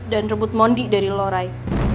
dan rebut mondi dari lo rai